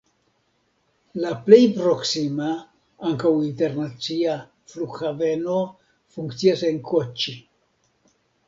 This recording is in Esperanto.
La plej proksima (ankaŭ internacia) flughaveno funkcias en Koĉi.